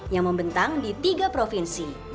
yang membentang di tiga provinsi